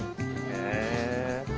へえ。